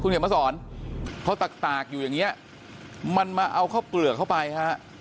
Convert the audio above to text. เดี๋ยวมาสอนเขาตากอยู่อย่างเงี้ยมันมาเอาข้าวเปลือกเข้าไปฮะ